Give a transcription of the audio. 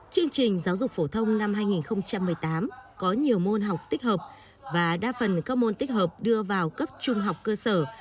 chương trình giáo dục phổ thông năm hai nghìn một mươi tám có nhiều môn học tích hợp và đa phần các môn tích hợp đưa vào cấp trung học cơ sở